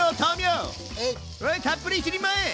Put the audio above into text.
たっぷり一人前！